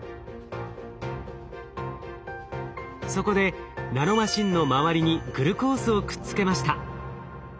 そこでナノマシンの周りにグルコースをくっつけました。